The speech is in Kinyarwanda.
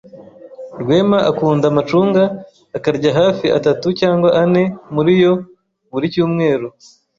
Rwema akunda amacunga akarya hafi atatu cyangwa ane muri yo buri cyumweru.